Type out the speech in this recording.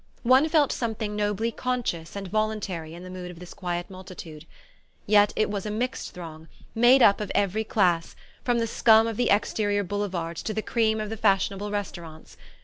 One felt something nobly conscious and voluntary in the mood of this quiet multitude. Yet it was a mixed throng, made up of every class, from the scum of the Exterior Boulevards to the cream of the fashionable restaurants.